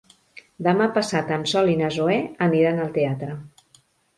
Demà passat en Sol i na Zoè aniran al teatre.